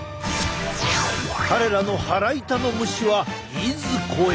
彼らの腹痛の虫はいずこへ？